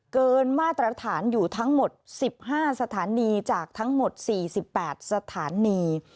เกินมาตรฐานอยู่ทั้งหมด๑๕สถานีจากทั้งหมด๔๘สถานี